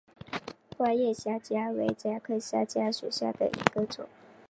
花叶山姜为姜科山姜属下的一个种。